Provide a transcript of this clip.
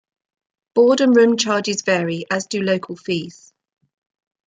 Board and room charges vary, as do local fees.